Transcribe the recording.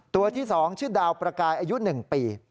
ตัวที่๒ชื่อดาวประกายอายุ๑ปี